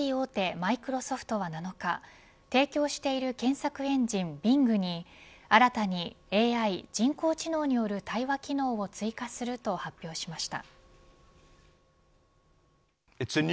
マイクロソフトは７日提供している検索エンジンＢｉｎｇに新たにＡＩ、人工知能による対話機能を追加すると発表しました。